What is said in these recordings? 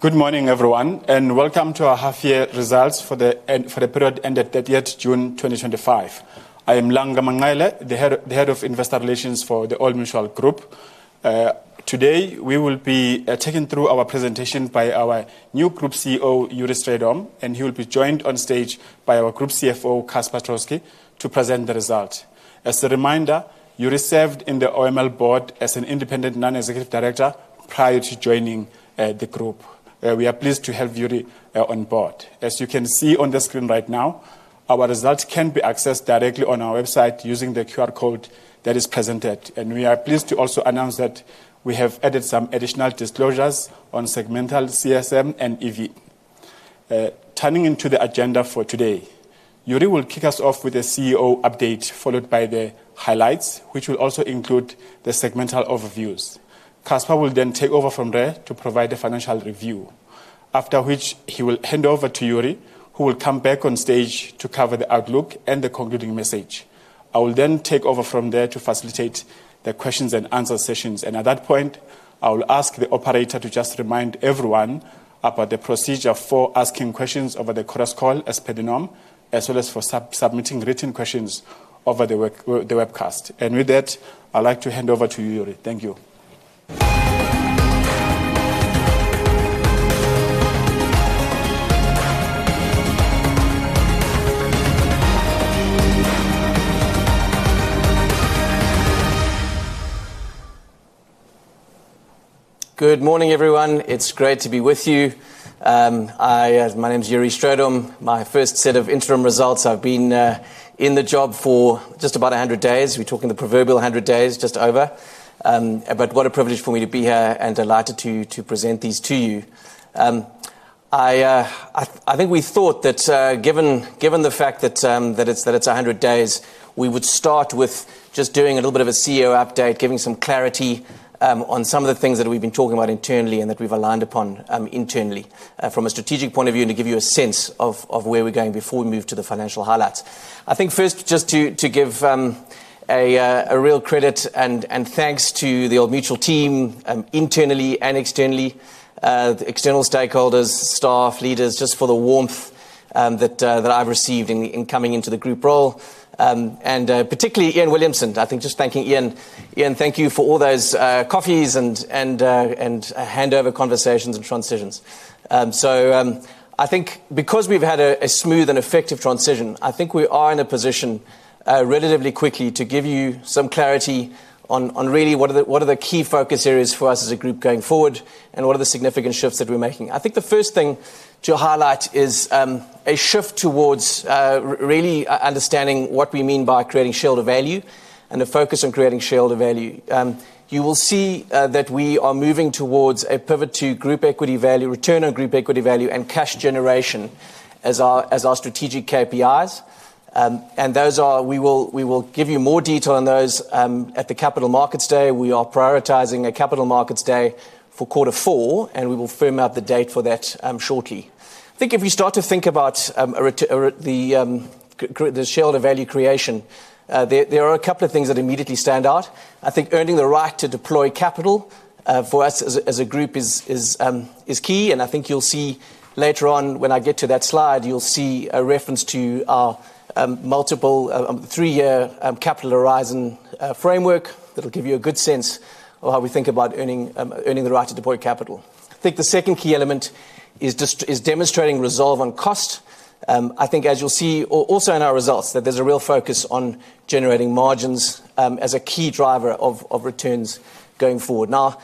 Good morning, everyone, and welcome to our half-year results for the period ended 30th June 2025. I am Langa Manqele, the Head of Investor Relations for the Old Mutual Group. Today we will be taking you through our presentation by our new Group CEO, Yuri Stradom, and he will be joined on stage by our Group CFO, Casper Troskie, to present the results. As a reminder, Yuri served on the Old Mutual Limited board as an independent non-executive director prior to joining the group. We are pleased to have Yuri on board. As you can see on the screen right now, our results can be accessed directly on our website using the QR code that is presented. We are pleased to also announce that we have added some additional disclosures on segmental CSM and EV. Turning to the agenda for today, Yuri will kick us off with the CEO update followed by the highlights, which will also include the segmental overviews. Casper will then take over from there to provide the financial review, after which he will hand over to Yuri, who will come back on stage to cover the outlook and the concluding message. I will then take over from there to facilitate the questions and answer sessions, and at that point, I will ask the operator to remind everyone about the procedure for asking questions over the chorus call as per the norm, as well as for submitting written questions over the webcast. With that, I'd like to hand over to you, Yuri. Thank you. Good morning, everyone. It's great to be with you. My name is Yuri Stradom. My first set of interim results. I've been in the job for just about 100 days. We're talking the proverbial 100 days, just over. What a privilege for me to be here and delighted to present these to you. I think we thought that, given the fact that it's 100 days, we would start with just doing a little bit of a CEO update, giving some clarity on some of the things that we've been talking about internally and that we've aligned upon internally from a strategic point of view and to give you a sense of where we're going before we move to the financial highlights. I think first, just to give real credit and thanks to the Old Mutual team, internally and externally, the external stakeholders, staff, leaders, just for the warmth that I've received in coming into the group role, and particularly Iain Williamson. I think just thanking Iain. Iain, thank you for all those coffees and handover conversations and transitions. I think because we've had a smooth and effective transition, we are in a position relatively quickly to give you some clarity on really what are the key focus areas for us as a group going forward and what are the significant shifts that we're making. I think the first thing to highlight is a shift towards really understanding what we mean by creating shield of value and the focus on creating shield of value. You will see that we are moving towards a pivot to group equity value, return on group equity value, and cash generation as our strategic KPIs. We will give you more detail on those at the Capital Markets Day. We are prioritizing a Capital Markets Day for quarter four, and we will firm out the date for that shortly. I think if you start to think about the shield of value creation, there are a couple of things that immediately stand out. I think earning the right to deploy capital for us as a group is key. You'll see later on when I get to that slide, you'll see a reference to our multiple three-year Capital Horizon framework that will give you a good sense of how we think about earning the right to deploy capital. I think the second key element is demonstrating resolve on cost. I think as you'll see also in our results that there's a real focus on generating margins as a key driver of returns going forward. Now,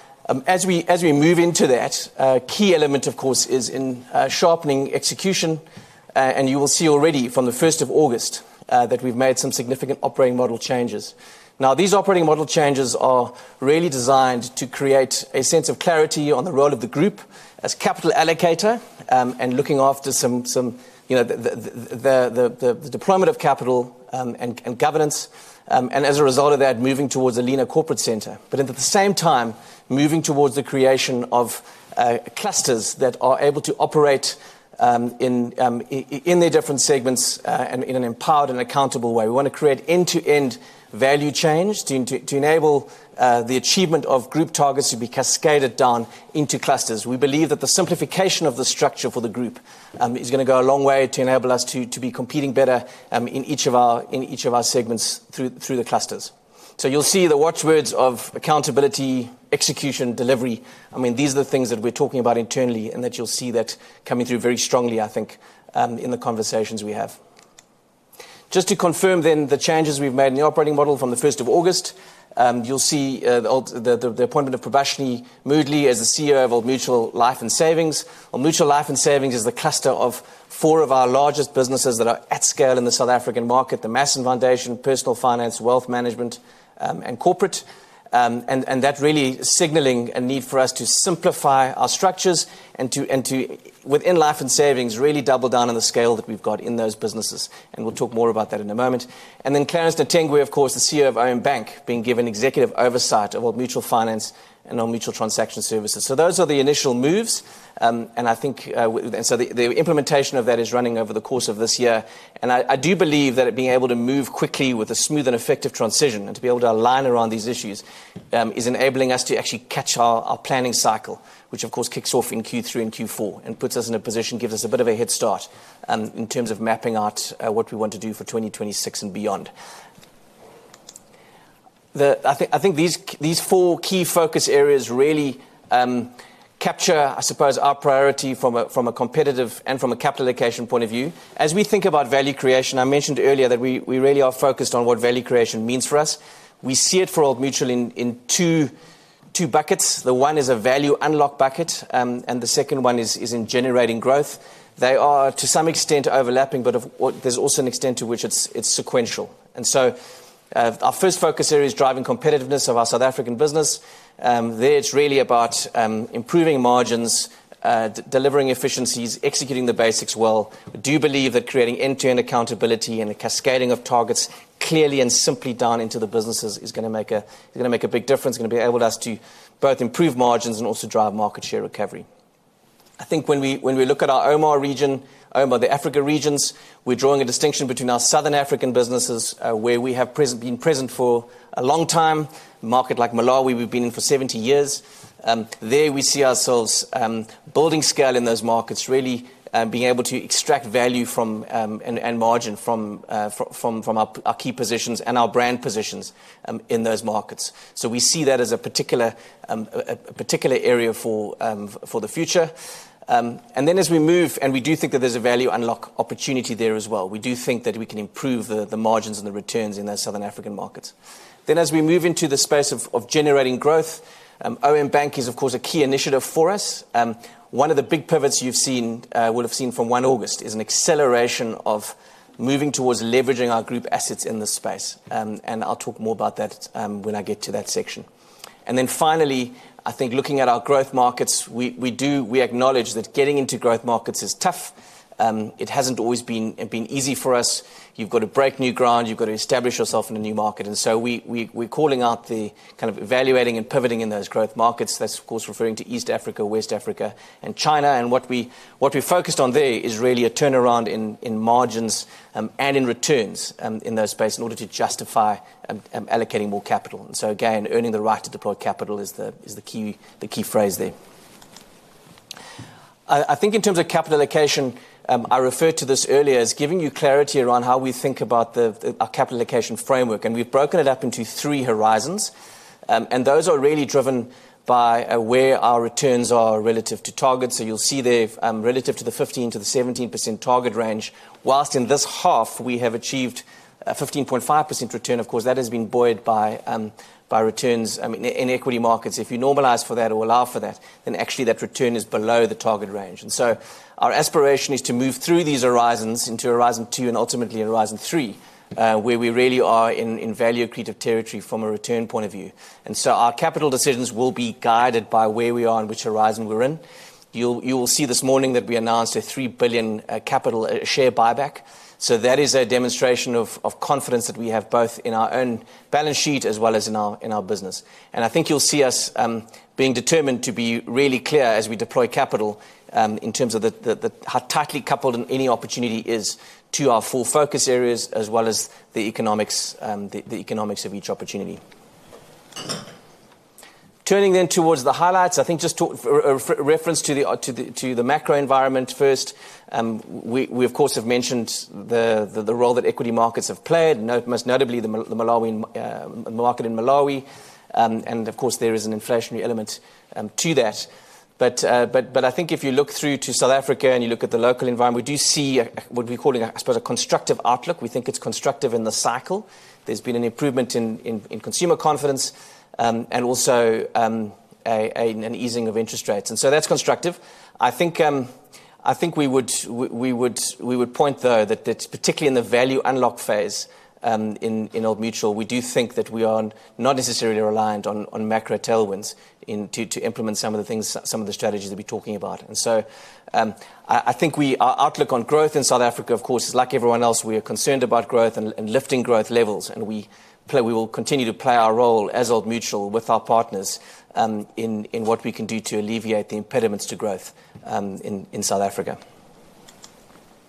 as we move into that, a key element, of course, is in sharpening execution. You will see already from the 1st of August that we've made some significant operating model changes. These operating model changes are really designed to create a sense of clarity on the role of the group as capital allocator, and looking after the deployment of capital and governance. As a result of that, moving towards a leaner corporate center. At the same time, moving towards the creation of clusters that are able to operate in their different segments, and in an empowered and accountable way. We want to create end-to-end value chains to enable the achievement of group targets to be cascaded down into clusters. We believe that the simplification of the structure for the group is going to go a long way to enable us to be competing better in each of our segments through the clusters. You'll see the watchwords of accountability, execution, delivery. These are the things that we're talking about internally and that you'll see coming through very strongly, I think, in the conversations we have. Just to confirm then the changes we've made in the operating model from the 1st of August, you'll see the appointment of Prabashini Moodley as the CEO of Old Mutual Life and Savings. Old Mutual Life and Savings is the cluster of four of our largest businesses that are at scale in the South African market: the Mass and Foundation Cluster, Personal Finance, Wealth Management, and Corporate. That really is signaling a need for us to simplify our structures and to, within Life and Savings, really double down on the scale that we've got in those businesses. We'll talk more about that in a moment. Clarence Nethengwe, of course, the CEO of OM Bank, is being given executive oversight of Old Mutual Finance and Old Mutual Transaction Services. Those are the initial moves. I think the implementation of that is running over the course of this year. I do believe that being able to move quickly with a smooth and effective transition and to be able to align around these issues is enabling us to actually catch our planning cycle, which of course kicks off in Q3 and Q4 and puts us in a position, gives us a bit of a head start, in terms of mapping out what we want to do for 2026 and beyond. I think these four key focus areas really capture, I suppose, our priority from a competitive and from a capital allocation point of view. As we think about value creation, I mentioned earlier that we really are focused on what value creation means for us. We see it for Old Mutual in two buckets. The one is a value unlock bucket, and the second one is in generating growth. They are to some extent overlapping, but there's also an extent to which it's sequential. Our first focus area is driving competitiveness of our South African business. There it's really about improving margins, delivering efficiencies, executing the basics well. We do believe that creating end-to-end accountability and the cascading of targets clearly and simply down into the businesses is going to make a big difference. It's going to enable us to both improve margins and also drive market share recovery. I think when we look at our OMA region, the African regions, we're drawing a distinction between our Southern African businesses, where we have been present for a long time, a market like Malawi, we've been in for 70 years. There we see ourselves building scale in those markets, really being able to extract value from, and margin from, our key positions and our brand positions in those markets. We see that as a particular area for the future. As we move, we do think that there's a value unlock opportunity there as well. We do think that we can improve the margins and the returns in those Southern African markets. As we move into the space of generating growth, OM Bank is, of course, a key initiative for us. One of the big pivots you will have seen from 1 August is an acceleration of moving towards leveraging our group assets in the space. I'll talk more about that when I get to that section. Finally, looking at our growth markets, we do acknowledge that getting into growth markets is tough. It hasn't always been easy for us. You've got to break new ground. You've got to establish yourself in a new market. We're calling out the kind of evaluating and pivoting in those growth markets. That's, of course, referring to East Africa, West Africa, and China. What we're focused on there is really a turnaround in margins, and in returns, in those spaces in order to justify allocating more capital. Earning the right to deploy capital is the key phrase there. I think in terms of capital allocation, I referred to this earlier as giving you clarity around how we think about our capital allocation framework. We've broken it up into three horizons, and those are really driven by where our returns are relative to targets. You'll see there, relative to the 15% to the 17% target range, whilst in this half, we have achieved a 15.5% return. Of course, that has been buoyed by returns. I mean, in equity markets, if you normalize for that or allow for that, then actually that return is below the target range. Our aspiration is to move through these horizons into Horizon 2 and ultimately Horizon 3, where we really are in value accretive territory from a return point of view. Our capital decisions will be guided by where we are and which horizon we're in. You will see this morning that we announced a 3 billion capital share buyback. That is a demonstration of confidence that we have both in our own balance sheet as well as in our business. I think you'll see us being determined to be really clear as we deploy capital, in terms of how tightly coupled any opportunity is to our four focus areas as well as the economics, the economics of each opportunity. Turning then towards the highlights, I think just for a reference to the macro environment first. We, of course, have mentioned the role that equity markets have played, most notably the market in Malawi. Of course, there is an inflationary element to that. If you look through to South Africa and you look at the local environment, we do see what we're calling, I suppose, a constructive outlook. We think it's constructive in the cycle. There's been an improvement in consumer confidence, and also an easing of interest rates. That's constructive. I think we would point though that that's particularly in the value unlock phase in Old Mutual. We do think that we are not necessarily reliant on macro tailwinds to implement some of the things, some of the strategies that we're talking about. I think our outlook on growth in South Africa, of course, is like everyone else. We are concerned about growth and lifting growth levels. We will continue to play our role as Old Mutual with our partners in what we can do to alleviate the impediments to growth in South Africa.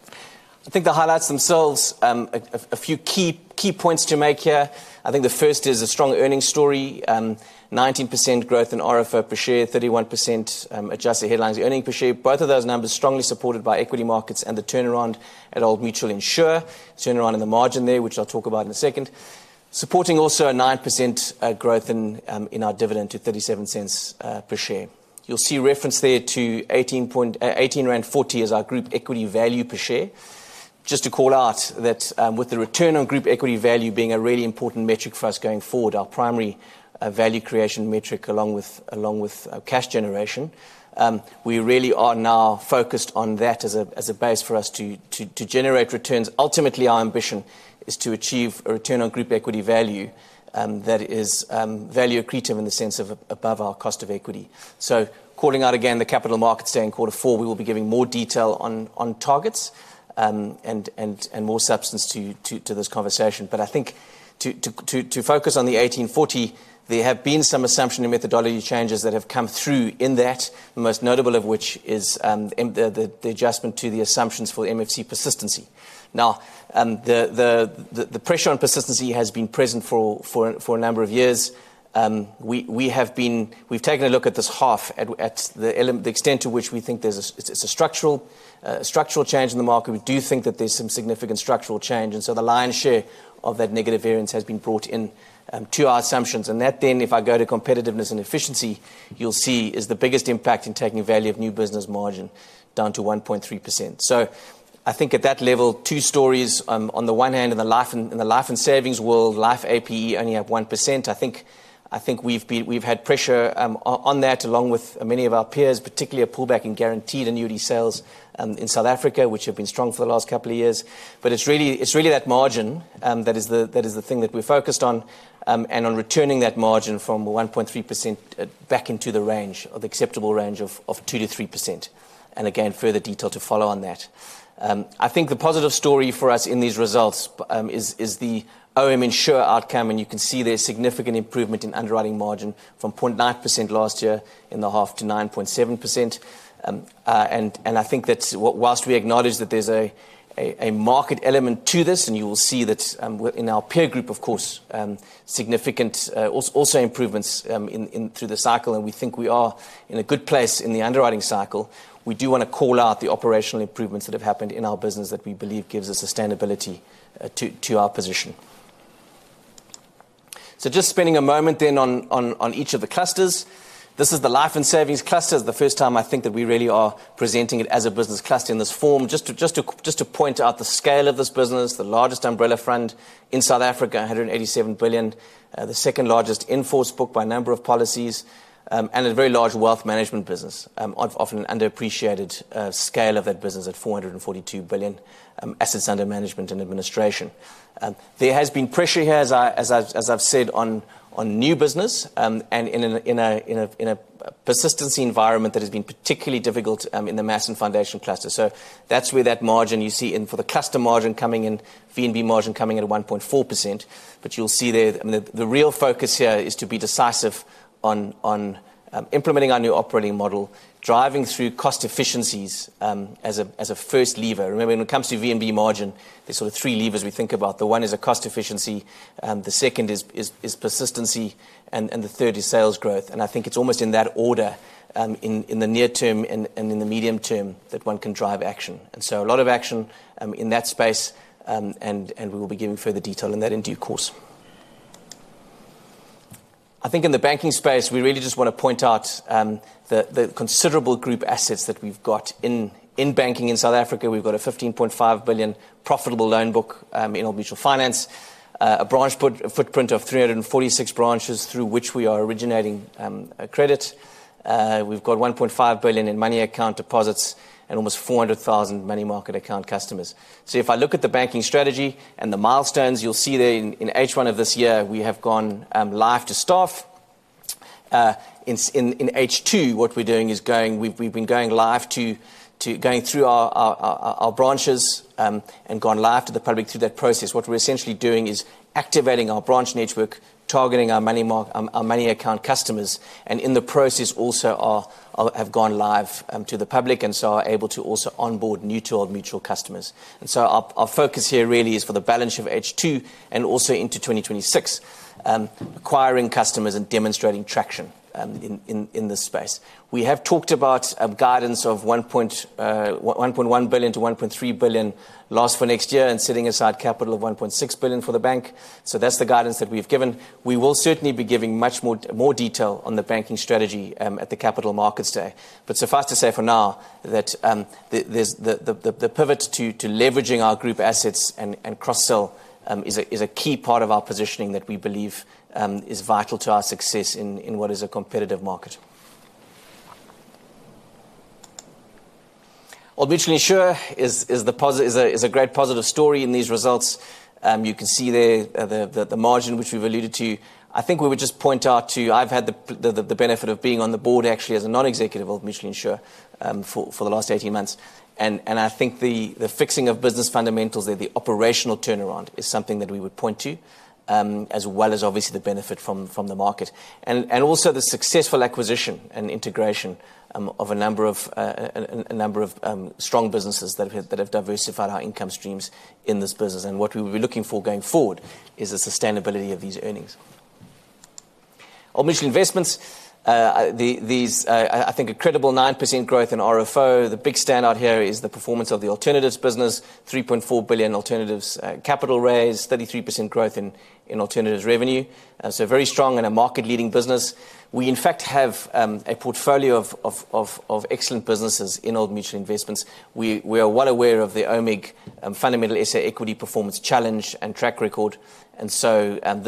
I think the highlights themselves, a few key points to make here. The first is a strong earnings story, 19% growth in RFR per share, 31% adjusted headline earnings per share. Both of those numbers are strongly supported by equity markets and the turnaround at Old Mutual Insure. Turnaround in the margin there, which I'll talk about in a second, supporting also a 9% growth in our dividend to R0.37 per share. You'll see reference there to R18.40 as our group equity value per share. Just to call out that, with the return on group equity value being a really important metric for us going forward, our primary value creation metric along with cash generation, we really are now focused on that as a base for us to generate returns. Ultimately, our ambition is to achieve a return on group equity value that is value accretive in the sense of above our cost of equity. Calling out again the Capital Markets Day in quarter four, we will be giving more detail on targets and more substance to this conversation. To focus on the R18.40, there have been some assumption and methodology changes that have come through in that, most notable of which is the adjustment to the assumptions for the Mass and Foundation Cluster persistency. The pressure on persistency has been present for a number of years. We have taken a look at this half at the extent to which we think it's a structural change in the market. We do think that there's some significant structural change. The lion's share of that negative variance has been brought in to our assumptions. If I go to competitiveness and efficiency, you'll see it is the biggest impact in taking value of new business margin down to 1.3%. I think at that level, two stories. On the one hand, in the life and savings world, Life APE only have 1%. I think we've had pressure on that along with many of our peers, particularly a pullback in guaranteed annuity sales in South Africa, which have been strong for the last couple of years. It's really that margin that is the thing that we're focused on, on returning that margin from 1.3% back into the acceptable range of 2% to 3%. Further detail to follow on that. The positive story for us in these results is the Old Mutual Insure outcome. You can see there's significant improvement in underwriting margin from 0.9% last year in the half to 9.7%. I think whilst we acknowledge that there's a market element to this, and you will see that in our peer group, of course, significant also improvements through the cycle, we think we are in a good place in the underwriting cycle. We do want to call out the operational improvements that have happened in our business that we believe gives us sustainability to our position. Just spending a moment then on each of the clusters. This is the life and savings cluster. It's the first time that we really are presenting it as a business cluster in this form. Just to point out the scale of this business, the largest umbrella fund in South Africa, $187 billion. The second largest in-force book by number of policies, and a very large wealth management business, often an underappreciated scale of that business at $442 billion assets under management and administration. There has been pressure here, as I've said, on new business, and in a persistency environment that has been particularly difficult in the Mass and Foundation Cluster. That's where that margin you see, the VNB margin coming in at 1.4%. The real focus here is to be decisive on implementing our new operating model, driving through cost efficiencies as a first lever. Remember, when it comes to VNB margin, there's sort of three levers we think about. The one is cost efficiency, the second is persistency, and the third is sales growth. I think it's almost in that order, in the near term and in the medium term that one can drive action. A lot of action in that space, and we will be giving further detail in that in due course. I think in the banking space, we really just want to point out the considerable group assets that we've got in banking in South Africa. We've got a R15.5 billion profitable loan book in Old Mutual Finance, a branch footprint of 346 branches through which we are originating credit. We've got R1.5 billion in money account deposits and almost 400,000 money market account customers. If I look at the banking strategy and the milestones, you'll see that in H1 of this year, we have gone live to staff. In H2, what we're doing is going through our branches and gone live to the public through that process. What we're essentially doing is activating our branch network, targeting our money market, our money account customers, and in the process also have gone live to the public and so are able to also onboard new to Old Mutual customers. Our focus here really is for the balance sheet of H2 and also into 2026, acquiring customers and demonstrating traction in this space. We have talked about guidance of R1.1 billion to R1.3 billion for next year and setting aside capital of R1.6 billion for the bank. That's the guidance that we've given. We will certainly be giving much more detail on the banking strategy at the Capital Markets Day. Suffice to say for now that the pivot to leveraging our group assets and cross-sell is a key part of our positioning that we believe is vital to our success in what is a competitive market. Old Mutual Insure is a great positive story in these results. You can see there the margin which we've alluded to. I would just point out I've had the benefit of being on the board actually as a non-executive of Old Mutual Insure for the last 18 months. I think the fixing of business fundamentals there, the operational turnaround is something that we would point to, as well as obviously the benefit from the market and also the successful acquisition and integration of a number of strong businesses that have diversified our income streams in this business. What we will be looking for going forward is the sustainability of these earnings. Old Mutual Investments, I think a credible 9% growth in RFO. The big standout here is the performance of the alternatives business, $3.4 billion alternatives capital raise, 33% growth in alternatives revenue. Very strong and a market-leading business. We, in fact, have a portfolio of excellent businesses in Old Mutual Investments. We are well aware of the OMIG fundamental asset equity performance challenge and track record. This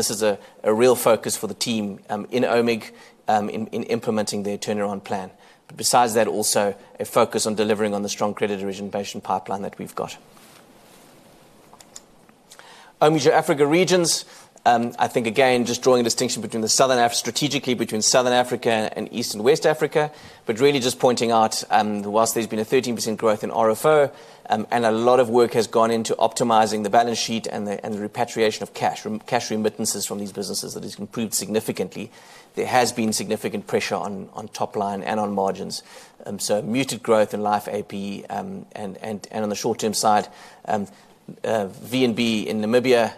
is a real focus for the team in OMIG in implementing their turnaround plan. Besides that, also a focus on delivering on the strong credit origination pipeline that we've got. OMG African regions, I think again, just drawing a distinction strategically between Southern Africa and East and West Africa, but really just pointing out, whilst there's been a 13% growth in RFO, and a lot of work has gone into optimizing the balance sheet and the repatriation of cash remittances from these businesses that has improved significantly. There has been significant pressure on top line and on margins. Muted growth in Life APE, and on the short-term side, VNB in Namibia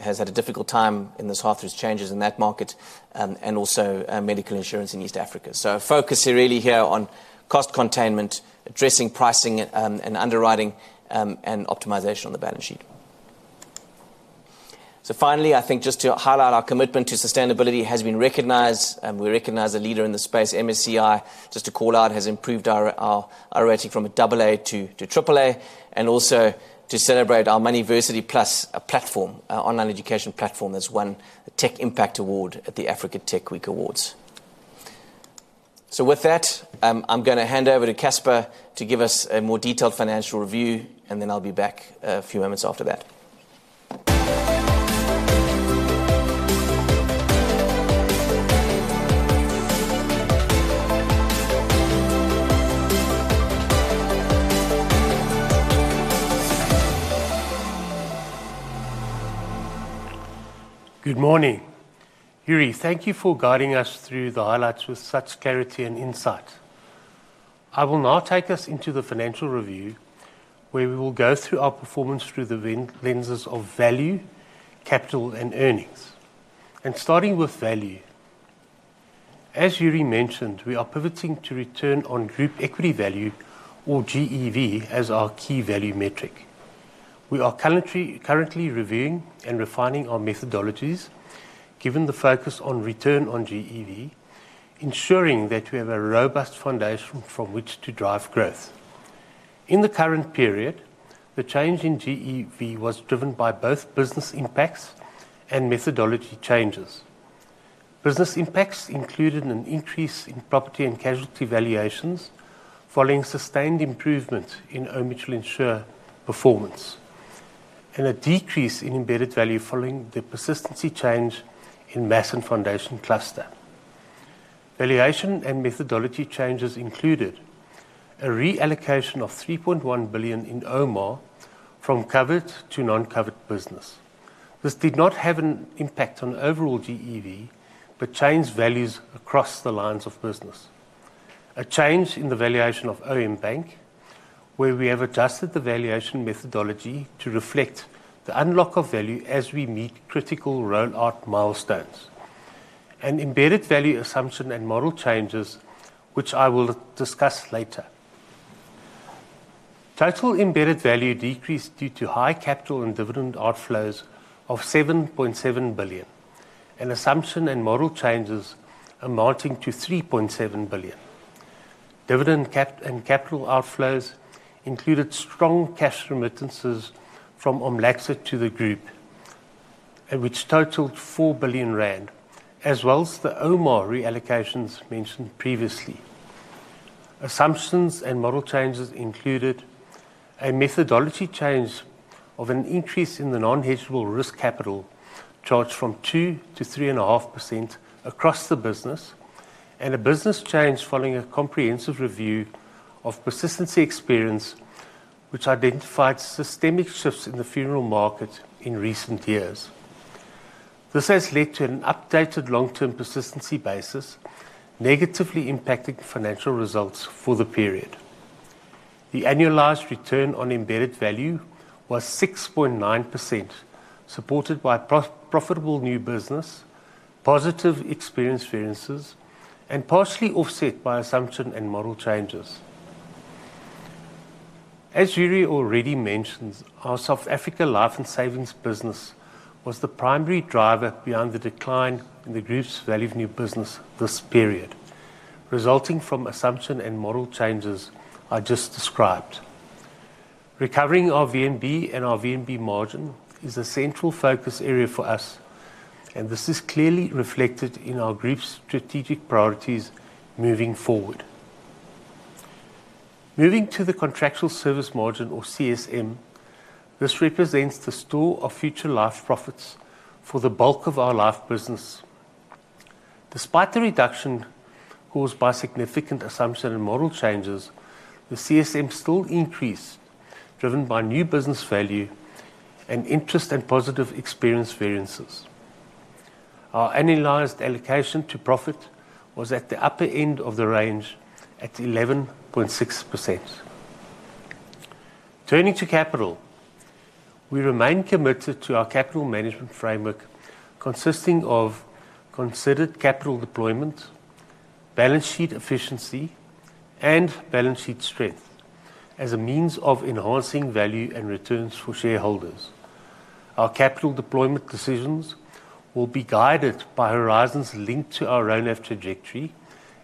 has had a difficult time in this half through its changes in that market, and also medical insurance in East Africa. A focus here really on cost containment, addressing pricing and underwriting, and optimization on the balance sheet. Finally, I think just to highlight our commitment to sustainability has been recognized. We are recognized as a leader in the space. MSCI, just to call out, has improved our ROI from AA to AAA, and also to celebrate our MoneyVersity Plus platform, our online education platform that's won a Tech Impact Award at the Africa Tech Week Awards. With that, I'm going to hand over to Casper to give us a more detailed financial review, and then I'll be back a few moments after that. Good morning. Yuri, thank you for guiding us through the highlights with such clarity and insight. I will now take us into the financial review where we will go through our performance through the lenses of value, capital, and earnings. Starting with value, as Yuri mentioned, we are pivoting to return on group equity value, or ROGEV, as our key value metric. We are currently reviewing and refining our methodologies, given the focus on return on group equity value (ROGEV), ensuring that we have a robust foundation from which to drive growth. In the current period, the change in group equity value (GEV) was driven by both business impacts and methodology changes. Business impacts included an increase in property and casualty valuations following sustained improvements in Old Mutual Insure performance and a decrease in embedded value following the persistency change in Mass and Foundation Cluster. Valuation and methodology changes included a reallocation of R3.1 billion in Old Mutual Africa (OMA) from covered to non-covered business. This did not have an impact on overall group equity value, but changed values across the lines of business. There was a change in the valuation of OM Bank, where we have adjusted the valuation methodology to reflect the unlock of value as we meet critical rollout milestones, and embedded value assumption and model changes, which I will discuss later. Total embedded value decreased due to high capital and dividend outflows of R7.7 billion, and assumption and model changes amounting to R3.7 billion. Dividend and capital outflows included strong cash remittances from Old Mutual Life and Savings to the group, which totaled R4 billion, as well as the OMA reallocations mentioned previously. Assumptions and model changes included a methodology change of an increase in the non-hedgeable risk capital charge from 2% to 3.5% across the business, and a business change following a comprehensive review of persistency experience, which identified systemic shifts in the funeral market in recent years. This has led to an updated long-term persistency basis, negatively impacting financial results for the period. The annualized return on embedded value was 6.9%, supported by profitable new business, positive experience variances, and partially offset by assumption and model changes. As Yuri Stradom already mentioned, our South Africa life and savings business was the primary driver behind the decline in the group's value of new business (VNB) this period, resulting from assumption and model changes I just described. Recovering our VNB and our VNB margin is a central focus area for us, and this is clearly reflected in our group's strategic priorities moving forward. Moving to the contractual service margin (CSM), this represents the store of future life profits for the bulk of our life business. Despite the reduction caused by significant assumption and model changes, the CSM still increased, driven by new business value and interest and positive experience variances. Our annualized allocation to profit was at the upper end of the range at 11.6%. Turning to capital, we remain committed to our capital management framework consisting of considered capital deployment, balance sheet efficiency, and balance sheet strength as a means of enhancing value and returns for shareholders. Our capital deployment decisions will be guided by horizons linked to our ROF trajectory,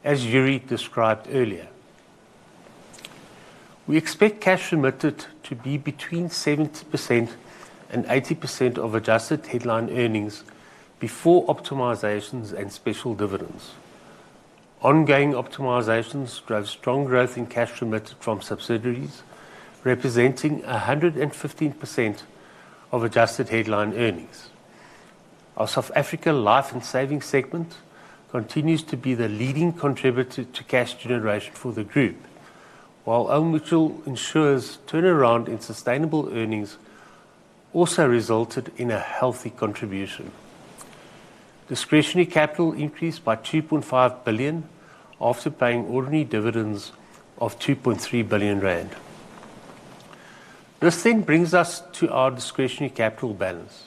as Yuri described earlier. We expect cash remitted to be between 70% and 80% of adjusted headline earnings before optimizations and special dividends. Ongoing optimizations drive strong growth in cash remitted from subsidiaries, representing 115% of adjusted headline earnings. Our South Africa life and savings segment continues to be the leading contributor to cash generation for the group, while Old Mutual Insure's turnaround in sustainable earnings also resulted in a healthy contribution. Discretionary capital increased by R2.5 billion after paying ordinary dividends of R2.3 billion. This then brings us to our discretionary capital balance.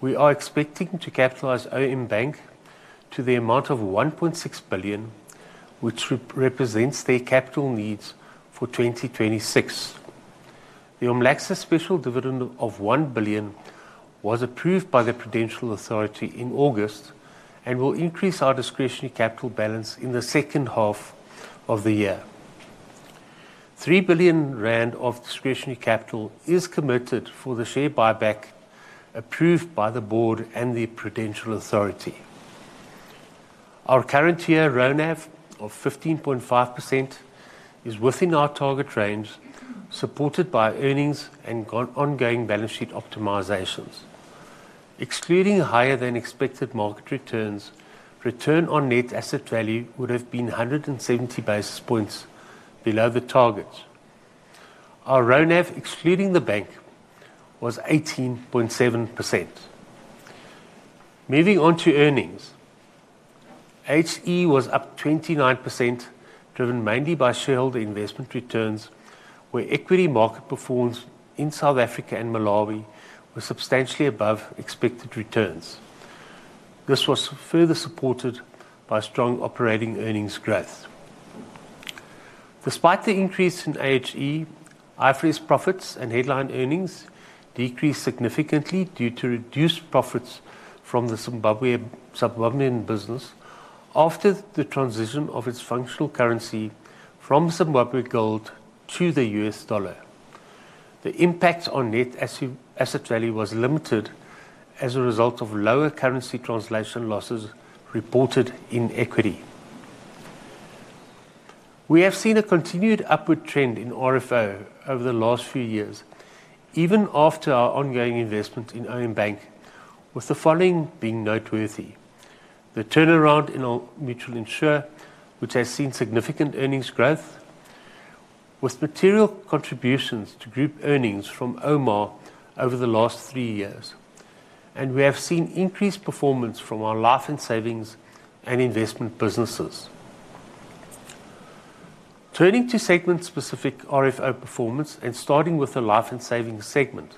We are expecting to capitalize OM Bank to the amount of R1.6 billion, which represents their capital needs for 2026. The Omlaxa special dividend of R1 billion was approved by the Prudential Authority in August and will increase our discretionary capital balance in the second half of the year. R3 billion of discretionary capital is committed for the share buyback approved by the board and the Prudential Authority. Our current year ROF of 15.5% is within our target range, supported by earnings and ongoing balance sheet optimizations. Excluding higher than expected market returns, return on net asset value would have been 170 basis points below the targets. Our ROF, excluding the bank, was 18.7%. Moving on to earnings, HE was up 29%, driven mainly by shareholder investment returns, where equity market performance in South Africa and Malawi was substantially above expected returns. This was further supported by strong operating earnings growth. Despite the increase in HE, IFRS profits and headline earnings decreased significantly due to reduced profits from the Zimbabwean business after the transition of its functional currency from Zimbabwe gold to the US dollar. The impact on net asset value was limited as a result of lower currency translation losses reported in equity. We have seen a continued upward trend in RFO over the last few years, even after our ongoing investment in OM Bank, with the following being noteworthy: the turnaround in Old Mutual Insure, which has seen significant earnings growth, with material contributions to group earnings from OMA over the last three years, and we have seen increased performance from our life and savings and investment businesses. Turning to segment-specific RFO performance and starting with the life and savings segment,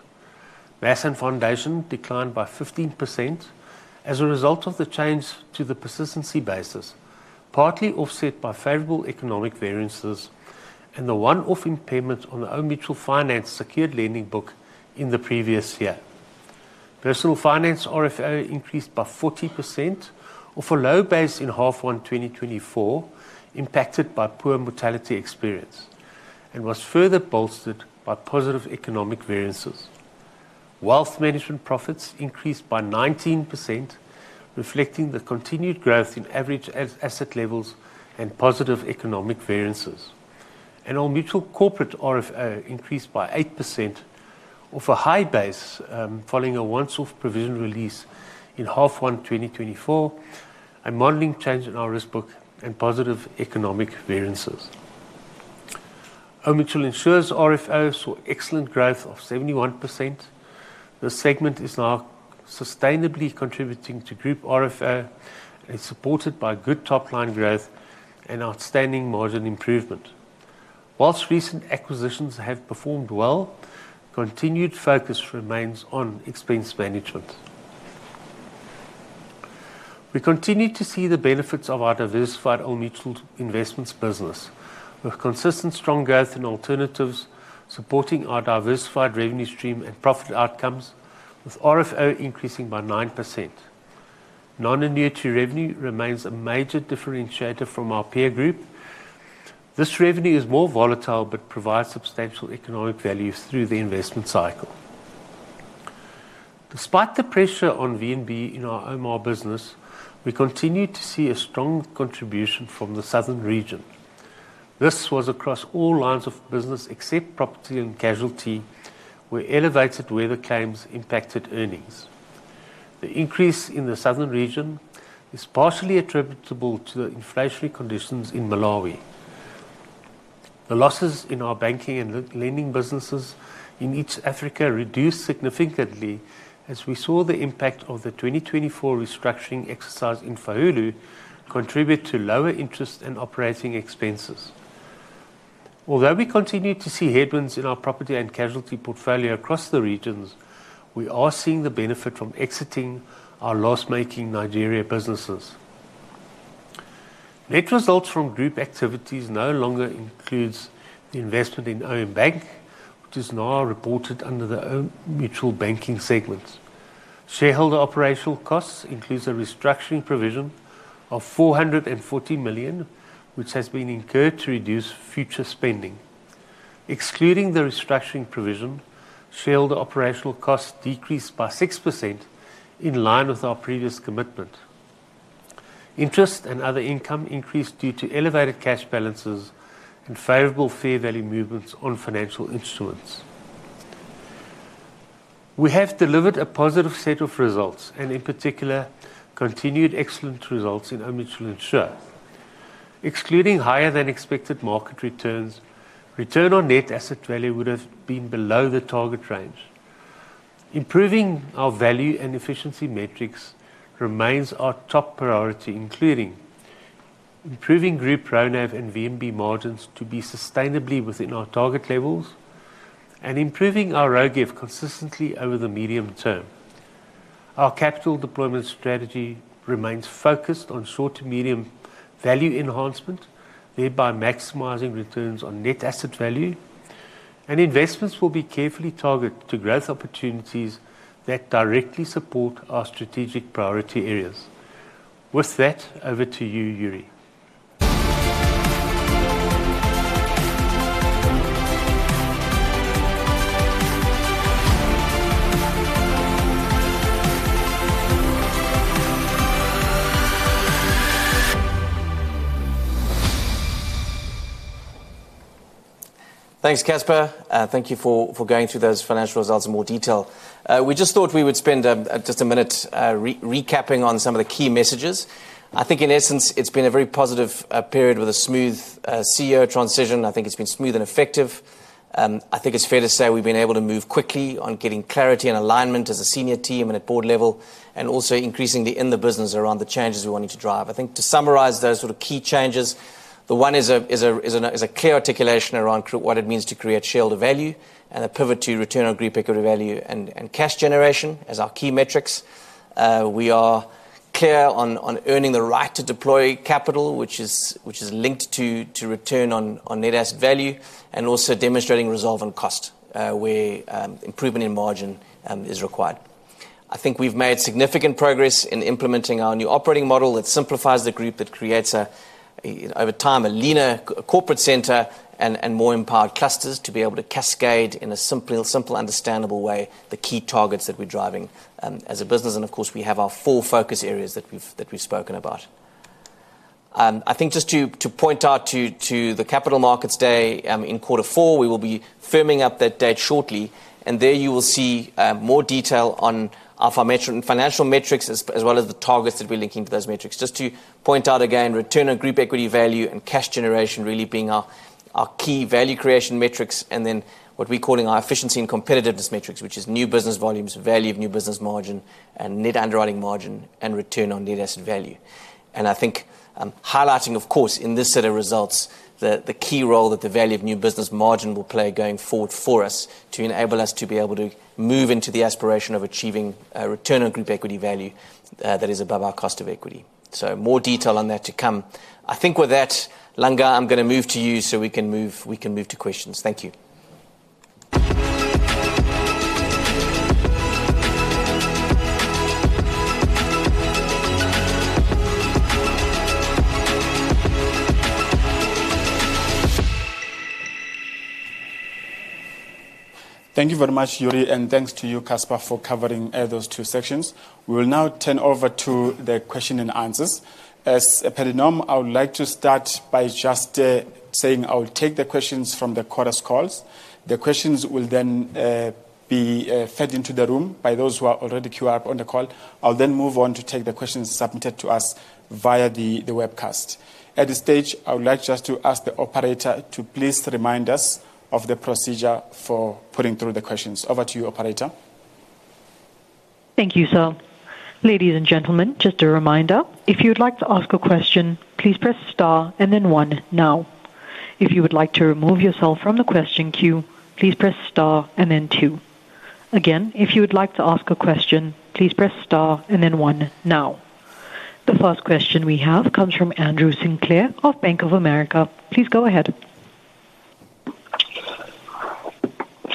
Mass and Foundation declined by 15% as a result of the change to the persistency basis, partly offset by favorable economic variances and the one-off impairment on the Old Mutual Finance secured lending book in the previous year. Personal Finance RFO increased by 40%, off a low base in half one 2024, impacted by poor mortality experience and was further bolstered by positive economic variances. Wealth Management profits increased by 19%, reflecting the continued growth in average asset levels and positive economic variances. Old Mutual Corporate RFO increased by 8%, off a high base, following a once-off provision release in half one 2024 and modeling change in our risk book and positive economic variances. Old Mutual Insure's RFO saw excellent growth of 71%. The segment is now sustainably contributing to group RFO and is supported by good top line growth and outstanding margin improvement. Whilst recent acquisitions have performed well, continued focus remains on expense management. We continue to see the benefits of our diversified Old Mutual Investments business, with consistent strong growth in alternatives supporting our diversified revenue stream and profit outcomes, with RFO increasing by 9%. Non-annuity revenue remains a major differentiator from our peer group. This revenue is more volatile but provides substantial economic value through the investment cycle. Despite the pressure on VNB in our OMA business, we continue to see a strong contribution from the southern region. This was across all lines of business except property and casualty, where elevated weather claims impacted earnings. The increase in the southern region is partially attributable to the inflationary conditions in Malawi. The losses in our banking and lending businesses in East Africa reduced significantly as we saw the impact of the 2024 restructuring exercise in Fahulu contribute to lower interest and operating expenses. Although we continue to see headwinds in our property and casualty portfolio across the regions, we are seeing the benefit from exiting our loss-making Nigeria businesses. Net results from group activities no longer include investment in OM Bank, which is now reported under the OM Bank segments. Shareholder operational costs include a restructuring provision of R440 million, which has been incurred to reduce future spending. Excluding the restructuring provision, shareholder operational costs decreased by 6% in line with our previous commitment. Interest and other income increased due to elevated cash balances and favorable fair value movements on financial instruments. We have delivered a positive set of results and, in particular, continued excellent results in Old Mutual Insure. Excluding higher than expected market returns, return on net asset value would have been below the target range. Improving our value and efficiency metrics remains our top priority, including improving group ROGEV and VNB margins to be sustainably within our target levels and improving our ROG consistently over the medium term. Our capital deployment strategy remains focused on short to medium value enhancement, thereby maximizing returns on net asset value, and investments will be carefully targeted to growth opportunities that directly support our strategic priority areas. With that, over to you, Yuri. Thanks, Casper. Thank you for going through those financial results in more detail. We just thought we would spend just a minute recapping on some of the key messages. I think in essence, it's been a very positive period with a smooth CEO transition. I think it's been smooth and effective. I think it's fair to say we've been able to move quickly on getting clarity and alignment as a senior team and at board level, and also increasingly in the business around the changes we wanted to drive. I think to summarize those sort of key changes, the one is a clear articulation around what it means to create shareholder value and a pivot to return on group equity value and cash generation as our key metrics. We are clear on earning the right to deploy capital, which is linked to return on net asset value and also demonstrating resolve on cost, where improvement in margin is required. I think we've made significant progress in implementing our new operating model that simplifies the group, that creates, over time, a leaner corporate center and more empowered clusters to be able to cascade in a simple, understandable way the key targets that we're driving as a business. We have our four focus areas that we've spoken about. I think just to point out to the Capital Markets Day in quarter four, we will be firming up that date shortly. There you will see more detail on our financial metrics as well as the targets that we're linking to those metrics. Just to point out again, return on group equity value and cash generation really being our key value creation metrics, and then what we're calling our efficiency and competitiveness metrics, which is new business volumes, value of new business margin, net underwriting margin, and return on net asset value. I think highlighting, in this set of results, the key role that the value of new business margin will play going forward for us to enable us to be able to move into the aspiration of achieving return on group equity value that is above our cost of equity. More detail on that to come. I think with that, Langa, I'm going to move to you so we can move to questions. Thank you. Thank you very much, Yuri, and thanks to you, Casper, for covering those two sections. We will now turn over to the question and answers. As a pedinom, I would like to start by just saying I will take the questions from the quarter's calls. The questions will then be fed into the room by those who are already queued up on the call. I'll then move on to take the questions submitted to us via the webcast. At this stage, I would like just to ask the operator to please remind us of the procedure for putting through the questions. Over to you, operator. Thank you, Sal. Ladies and gentlemen, just a reminder, if you would like to ask a question, please press star and then one now. If you would like to remove yourself from the question queue, please press star and then two. Again, if you would like to ask a question, please press star and then one now. The first question we have comes from Andrew Sinclair of Bank of America. Please go ahead.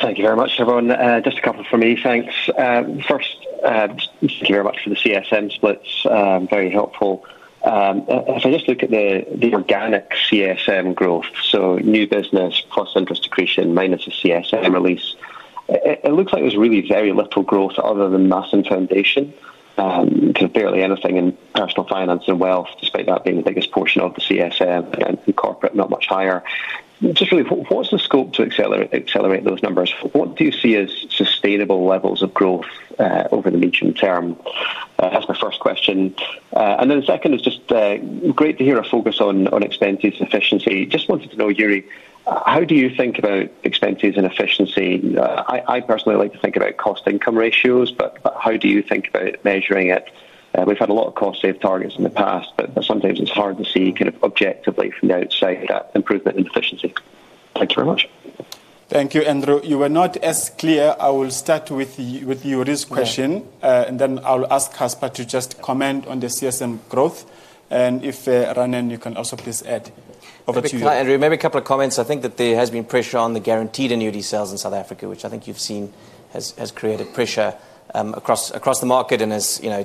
Thank you very much, everyone. Just a couple for me. Thanks. First, just thank you very much for the CSM splits. Very helpful. As I just look at the organic CSM growth, so new business, cost centers to creation, minus the CSM release, it looks like there's really very little growth other than Mass and Foundation. There's barely anything in Personal Finance and Wealth, despite that being the biggest portion of the CSM and Corporate, not much higher. Just really, what's the scope to accelerate those numbers? What do you see as sustainable levels of growth over the medium term? That's my first question. The second is just great to hear a focus on expenses and efficiency. Just wanted to know, Yuri, how do you think about expenses and efficiency? I personally like to think about cost-income ratios, but how do you think about measuring it? We've had a lot of cost-save targets in the past, but sometimes it's hard to see kind of objectively from the outside that improvement in efficiency. Thank you very much. Thank you, Andrew. You were not as clear. I will start with Yuri's question, and then I'll ask Casper to just comment on the CSM growth. If Ranen, you can also please add over to you. Thanks, Andrew. Maybe a couple of comments. I think that there has been pressure on the guaranteed annuity sales in South Africa, which I think you've seen has created pressure across the market. As you know,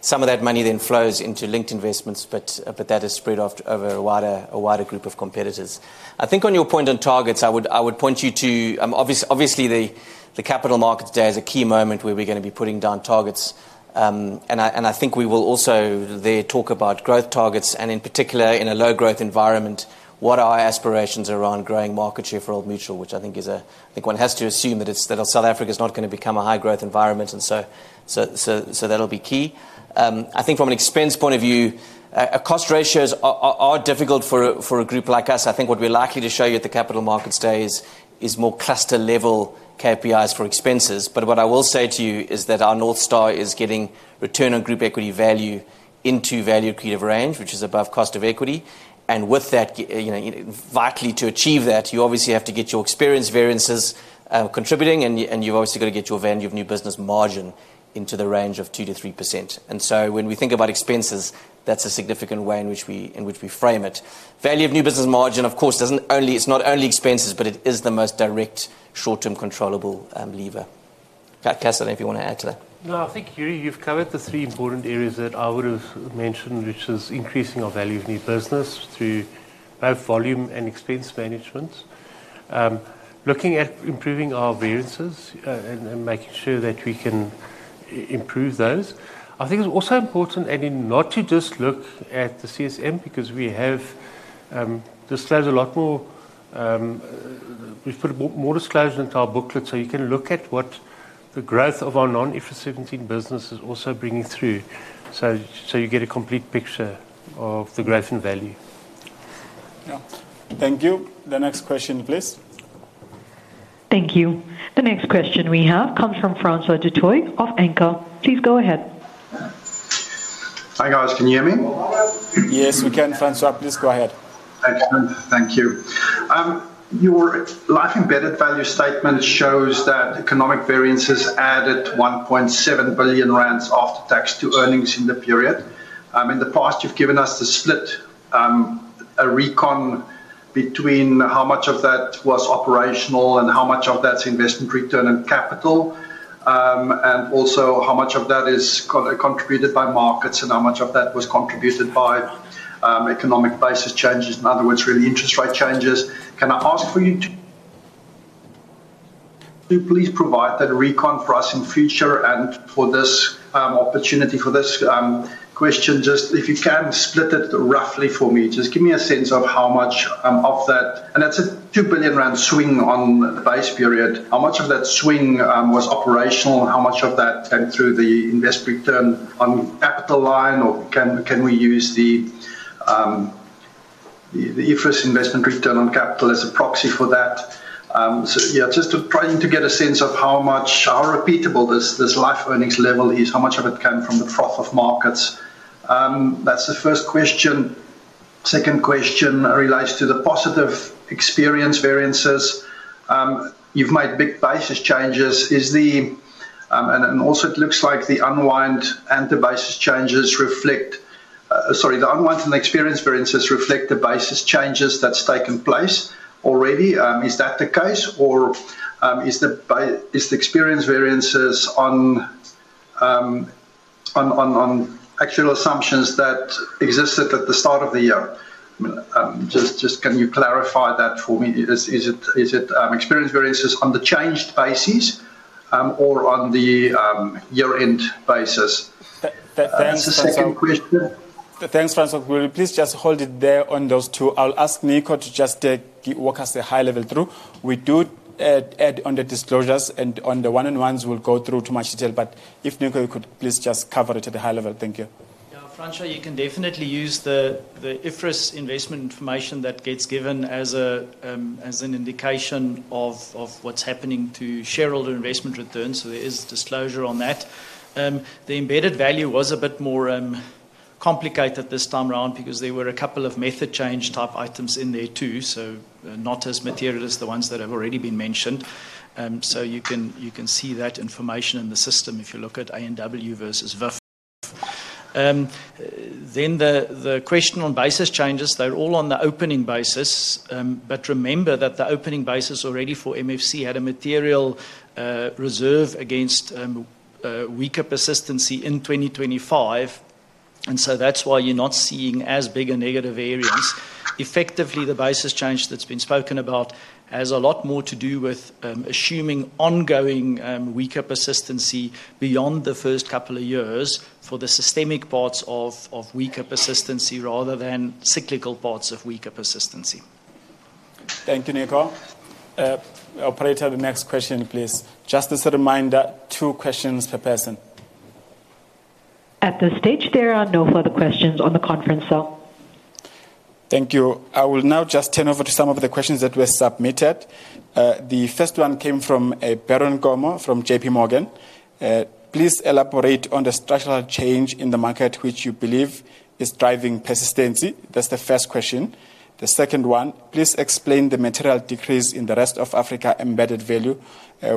some of that money then flows into linked investments, but that is spread off over a wider group of competitors. On your point on targets, I would point you to obviously the Capital Markets Day as a key moment where we're going to be putting down targets. I think we will also there talk about growth targets. In particular, in a low-growth environment, what are our aspirations around growing market share for Old Mutual, which I think is a, I think one has to assume that South Africa is not going to become a high-growth environment. That'll be key. From an expense point of view, cost ratios are difficult for a group like us. I think what we're likely to show you at the Capital Markets Day is more cluster-level KPIs for expenses. What I will say to you is that our North Star is getting return on group equity value into value creative range, which is above cost of equity. With that, vitally to achieve that, you obviously have to get your experience variances contributing, and you've obviously got to get your value of new business margin into the range of 2% to 3%. When we think about expenses, that's a significant way in which we frame it. Value of new business margin, of course, doesn't only, it's not only expenses, but it is the most direct short-term controllable lever. Casper, I don't know if you want to add to that. No, I think, Yuri, you've covered the three important areas that I would have mentioned, which is increasing our value of new business through our volume and expense management. Looking at improving our variances and making sure that we can improve those, I think it's also important not to just look at the CSM because we have disclosed a lot more. We've put more disclosures into our booklet, so you can look at what the growth of our non-efficiency in business is also bringing through. You get a complete picture of the growth in value. Thank you. The next question, please. Thank you. The next question we have comes from Francois du Toit of Anchor. Please go ahead. Hi guys, can you hear me? Yes, we can, Francois. Please go ahead. Excellent, thank you. Your life embedded value statement shows that economic variances added R1.7 billion after tax to earnings in the period. In the past, you've given us the split, a recon between how much of that was operational and how much of that's investment return and capital, and also how much of that is contributed by markets and how much of that was contributed by economic basis changes. In other words, really interest rate changes. Can I ask for you to please provide that recon for us in the future and for this opportunity for this question? Just if you can split it roughly for me, just give me a sense of how much of that, and that's a R2 billion swing on the base period. How much of that swing was operational? How much of that came through the investment return on capital line, or can we use the investment return on capital as a proxy for that? Just trying to get a sense of how repeatable this life earnings level is, how much of it came from the froth of markets. That's the first question. Second question relates to the positive experience variances. You've made big basis changes. It also looks like the unwind and the experience variances reflect the basis changes that's taken place already. Is that the case, or is the experience variances on actual assumptions that existed at the start of the year? Can you clarify that for me? Is it experience variances on the changed basis or on the year-end basis? That's a good question. Thanks, Francois. Will you please just hold it there on those two? I'll ask Nico to just walk us through the high level. We do add on the disclosures, and on the one-on-ones we'll go through too much detail, but if Nico could please just cover it at the high level. Thank you. Yeah, François, you can definitely use the first investment information that gets given as an indication of what's happening to shareholder investment returns. There is disclosure on that. The embedded value was a bit more complicated this time around because there were a couple of method change type items in there too, not as material as the ones that have already been mentioned. You can see that information in the system if you look at INW versus VUF. The question on basis changes, they're all on the opening basis, but remember that the opening basis already for MFC had a material reserve against weaker persistency in 2025. That's why you're not seeing as big a negative variance. Effectively, the basis change that's been spoken about has a lot more to do with assuming ongoing weaker persistency beyond the first couple of years for the systemic parts of weaker persistency rather than cyclical parts of weaker persistency. Thank you, Nico. Operator, the next question, please. Just as a reminder, two questions per person. At this stage, there are no further questions on the conference, sir. Thank you. I will now just turn over to some of the questions that were submitted. The first one came from Baron Gomer from JP Morgan. Please elaborate on the structural change in the market which you believe is driving persistency. That's the first question. The second one, please explain the material decrease in the rest of Africa embedded value,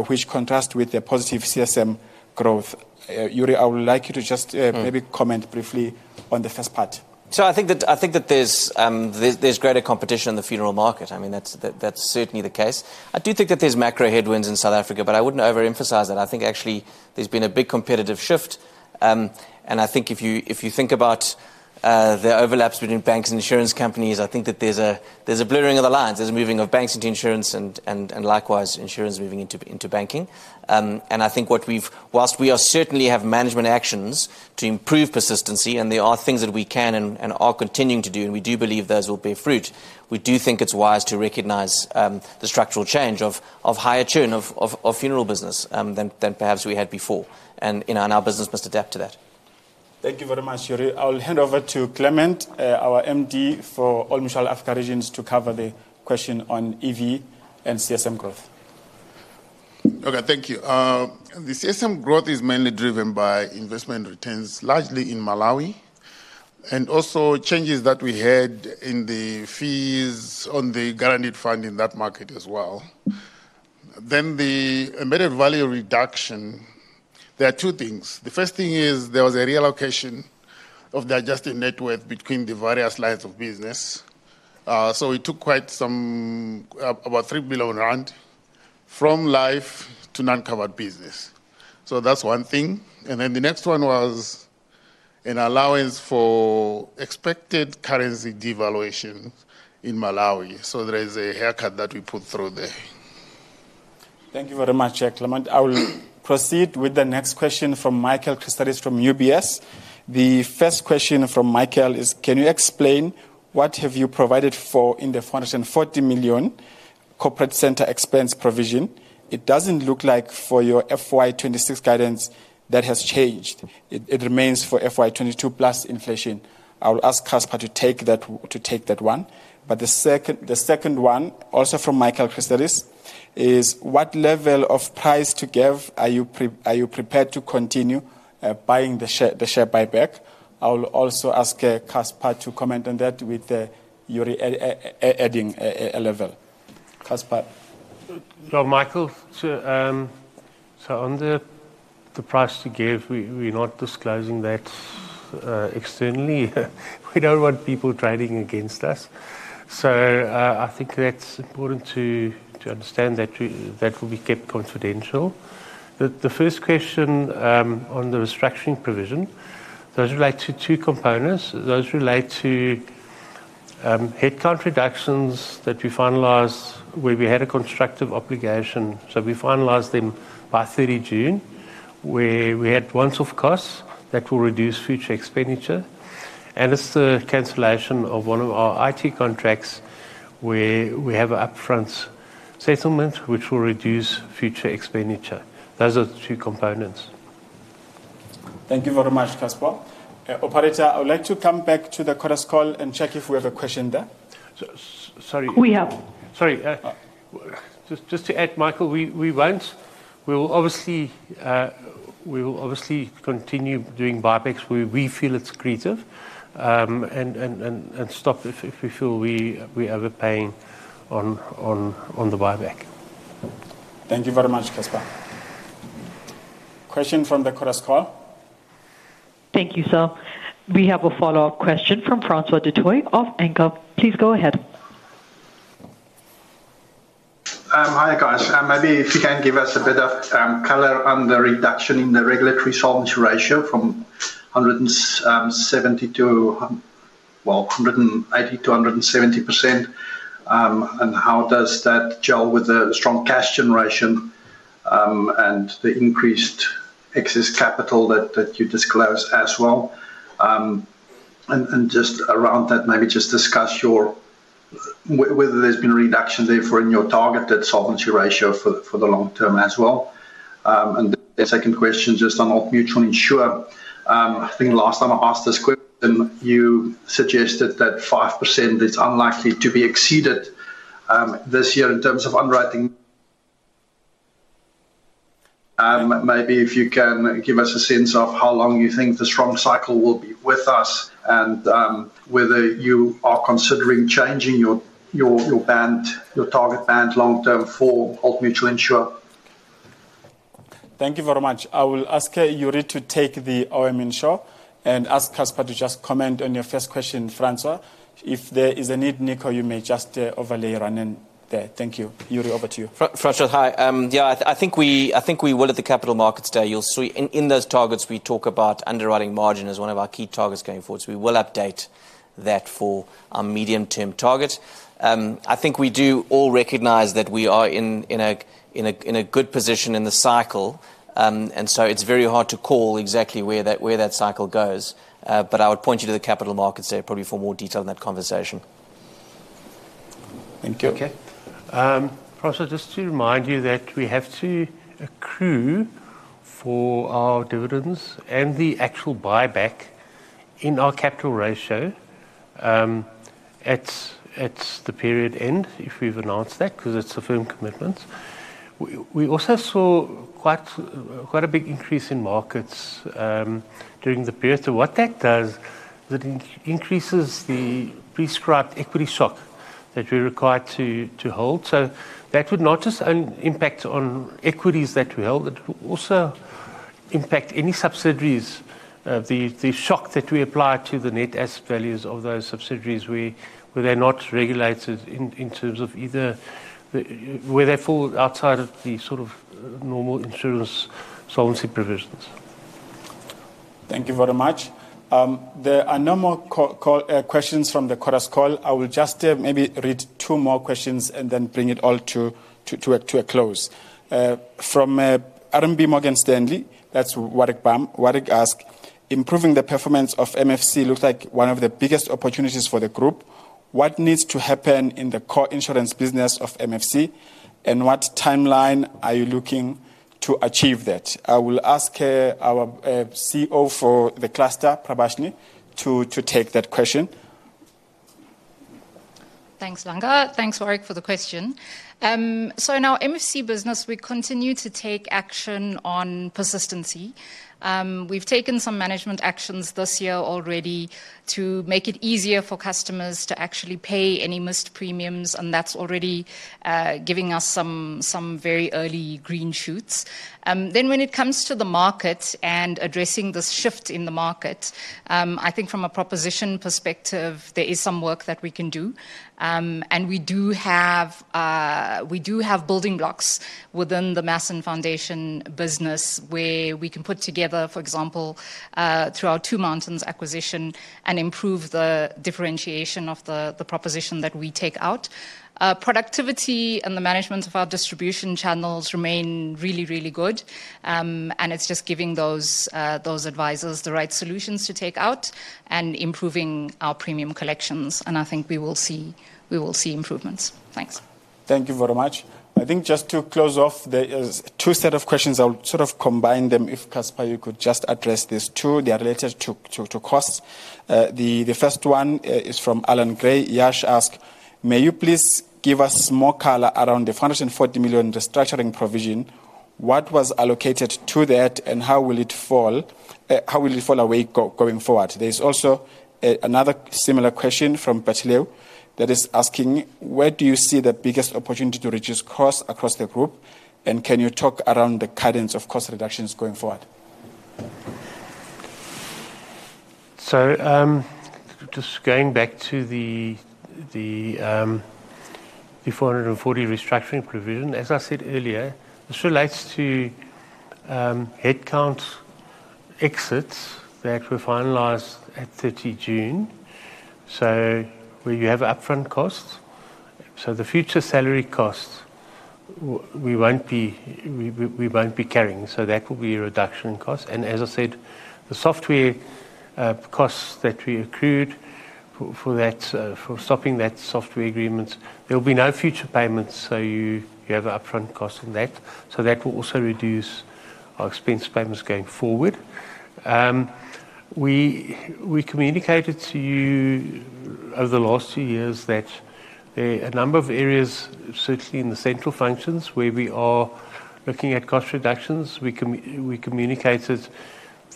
which contrasts with the positive CSM growth. Yuri, I would like you to just maybe comment briefly on the first part. I think that there's greater competition in the funeral market. I mean, that's certainly the case. I do think that there's macro headwinds in South Africa, but I wouldn't overemphasize that. I think actually there's been a big competitive shift. If you think about the overlaps between banks and insurance companies, I think that there's a blurring of the lines. There's a moving of banks into insurance and likewise insurance moving into banking. I think whilst we certainly have management actions to improve persistency, and there are things that we can and are continuing to do, and we do believe those will bear fruit, we do think it's wise to recognize the structural change of higher churn of funeral business than perhaps we had before. Our business must adapt to that. Thank you very much, Yuri. I'll hand over to Clement, our Managing Director for Old Mutual African regions, to cover the question on EV and CSM growth. Okay, thank you. The CSM growth is mainly driven by investment returns, largely in Malawi, and also changes that we had in the fees on the guaranteed fund in that market as well. The embedded value reduction, there are two things. The first thing is there was a reallocation of the adjusted net worth between the various lines of business. It took quite some, about R3 billion, from life to non-covered business. That's one thing. The next one was an allowance for expected currency devaluation in Malawi. There is a haircut that we put through there. Thank you very much, Clement. I will proceed with the next question from Michael Christadis from UBS. The first question from Michael is, can you explain what have you provided for in the $440 million corporate center expense provision? It doesn't look like for your FY2026 guidance that has changed. It remains for FY2022 plus inflation. I will ask Casper to take that one. The second one, also from Michael Christadis, is what level of price to give are you prepared to continue buying the share buyback? I will also ask Casper to comment on that with Yuri adding a level. Casper. Hello, Michael. Sure. On the price to give, we're not disclosing that externally. We don't want people trading against us. I think that's important to understand; that will be kept confidential. The first question on the restructuring provision, those relate to two components. Those relate to headcount reductions that we finalized where we had a constructive obligation. We finalized them by 30 June, where we had once-off costs that will reduce future expenditure. It's the cancellation of one of our IT contracts where we have an upfront settlement which will reduce future expenditure. Those are the two components. Thank you very much, Casper. Operator, I would like to come back to the quarter's call and check if we have a question there. Sorry. We have. Sorry. Just to add, Michael, we won't. We will obviously continue doing buybacks. We feel it's accretive and stop if we feel we are paying on the buyback. Thank you very much, Casper. Question from the quarter's call. Thank you, Sal. We have a follow-up question from Francois du Toit of Anchor. Please go ahead. Hi guys. Maybe if you can give us a bit of color on the reduction in the regulatory solvency ratio from 180% to 170%. How does that gel with the strong cash generation and the increased excess capital that you disclosed as well? Just around that, maybe discuss whether there's been a reduction therefore in your targeted solvency ratio for the long term as well. The second question, just on Old Mutual Insure. I think last time I asked this question, you suggested that 5% is unlikely to be exceeded this year in terms of underwriting. Maybe if you can give us a sense of how long you think the strong cycle will be with us and whether you are considering changing your band, your target band long term for Old Mutual Insure. Thank you very much. I will ask Yuri to take the Old Mutual Insure and ask Casper to just comment on your first question, François. If there is a need, Nico, you may just overlay Ranen there. Thank you. Yuri, over to you. François, hi. Yeah, I think we will at the Capital Markets Day. You'll see in those targets we talk about underwriting margin as one of our key targets going forward. We will update that for our medium-term target. I think we do all recognize that we are in a good position in the cycle. It is very hard to call exactly where that cycle goes. I would point you to the Capital Markets Day probably for more detail in that conversation. Thank you. Okay. Francis, just to remind you that we have to accrue for our dividends and the actual buyback in our capital ratio at the period end if we've announced that because it's a firm commitment. We also saw quite a big increase in markets during the period. What that does is it increases the prescribed equity stock that we're required to hold. That would not just impact on equities that we hold, it would also impact any subsidiaries, the shock that we apply to the net asset values of those subsidiaries where they're not regulated in terms of either where they fall outside of the sort of normal insurance solvency provisions. Thank you very much. There are no more questions from the call. I will just maybe read two more questions and then bring it all to a close. From RMB Morgan Stanley, that's Warwick Bam. Warwick asks, improving the performance of MFC looks like one of the biggest opportunities for the group. What needs to happen in the core insurance business of MFC and what timeline are you looking to achieve that? I will ask our CEO for the cluster, Prabashini, to take that question. Thanks, Langa. Thanks, Wareg, for the question. In our MFC business, we continue to take action on persistency. We've taken some management actions this year already to make it easier for customers to actually pay any missed premiums, and that's already giving us some very early green shoots. When it comes to the market and addressing this shift in the market, I think from a proposition perspective, there is some work that we can do. We do have building blocks within the Mass and Foundation business where we can put together, for example, through our Two Mountains acquisition and improve the differentiation of the proposition that we take out. Productivity and the management of our distribution channels remain really, really good. It's just giving those advisors the right solutions to take out and improving our premium collections. I think we will see improvements. Thanks. Thank you very much. I think just to close off, there are two sets of questions. I'll sort of combine them. If Casper, you could just address these two. They are related to costs. The first one is from Allan Gray. Yash asks, may you please give us more color around the R440 million restructuring provision? What was allocated to that and how will it fall away going forward? There's also another similar question from Petelew that is asking, where do you see the biggest opportunity to reduce costs across the group? Can you talk around the cadence of cost reductions going forward? Just going back to the 440 restructuring provision, as I said earlier, this relates to headcount exits that were finalized at 30 June. Where you have upfront costs, the future salary costs, we won't be carrying. That will be a reduction in cost. As I said, the software costs that we accrued for stopping those software agreements, there will be no future payments. You have upfront costs on that, so that will also reduce our expense payments going forward. We communicated to you over the last few years that a number of areas, certainly in the central functions, where we are looking at cost reductions, we communicated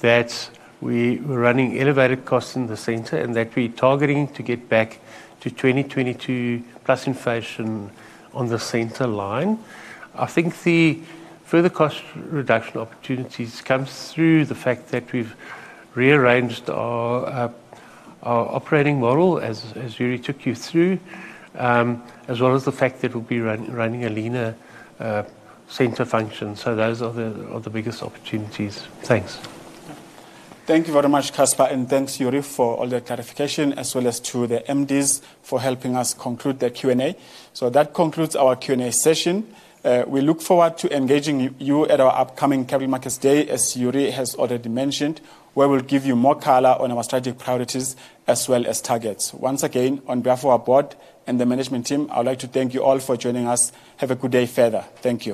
that we were running elevated costs in the center and that we're targeting to get back to 2022 plus inflation on the center line. I think the further cost reduction opportunities come through the fact that we've rearranged our operating model, as Yuri took you through, as well as the fact that we'll be running a leaner center function. Those are the biggest opportunities. Thanks. Thank you very much, Casper, and thanks, Yuri, for all the clarification, as well as to the MDs for helping us conclude the Q&A. That concludes our Q&A session. We look forward to engaging you at our upcoming Capital Markets Day, as Yuri has already mentioned, where we'll give you more color on our strategic priorities as well as targets. Once again, on behalf of our Board and the Management Team, I would like to thank you all for joining us. Have a good day further. Thank you.